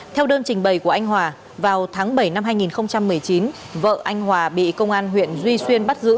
theo đơn trình bày của anh hòa vào tháng bảy năm hai nghìn một mươi chín vợ anh hòa bị công an huyện duy xuyên bắt giữ